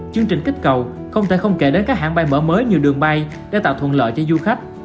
chương trình kích cầu không thể không kể đến các hãng bay mở mới nhiều đường bay để tạo thuận lợi cho du khách